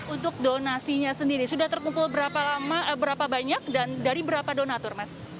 untuk donasinya sendiri sudah terkumpul berapa banyak dan dari berapa donator mas